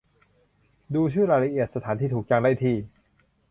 ดูชื่อ รายละเอียด สถานที่ถูกจัง ได้ที่